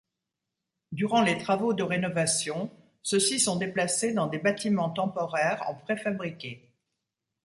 Durant les travaux de rénovation, ceux-ci sont déplacés dans des bâtiments temporaires en préfabriqué.